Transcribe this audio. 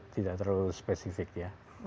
tidak terlalu spesifik ya